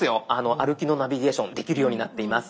歩きのナビゲーションできるようになっています。